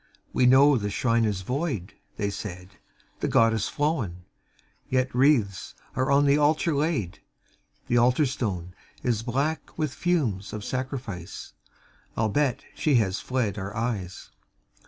"We know the Shrine is void," they said, "The Goddess flown Yet wreaths are on the Altar laid The Altar Stone Is black with fumes of sacrifice, Albeit She has fled our eyes.